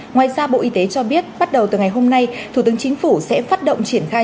ngoài ra bộ y tế cho biết bắt đầu từ ngày hôm nay thủ tướng chính phủ sẽ phát động triển khai